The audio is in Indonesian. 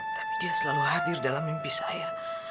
tapi dia selalu hadir dalam mimpi saya